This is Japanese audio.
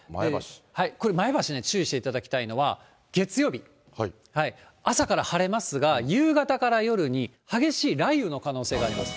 これ、前橋ね、注意していただきたいのは月曜日、朝から晴れますが、夕方から夜に激しい雷雨の可能性あります。